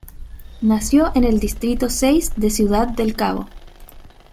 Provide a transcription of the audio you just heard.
Nació en el Distrito Seis de Ciudad del Cabo.